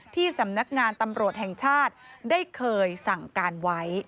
ที่สำนักงานตำรวจแห่งชาติได้เคยสั่งการไว้